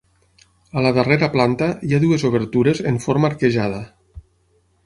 A la darrera planta hi ha dues obertures en forma arquejada.